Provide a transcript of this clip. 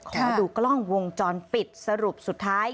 ขอดูกล้องวงจรปิดสรุปสุดท้าย